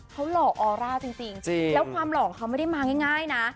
เขาหล่ออร่าจริงจริงจริงแล้วความหล่อเขาไม่ได้มาง่ายง่ายน่ะ